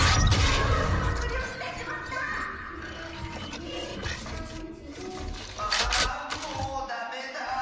あんもうダメだ。